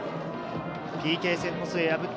ＰＫ戦の末、破った。